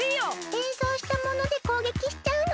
れんそうしたものでこうげきしちゃうの。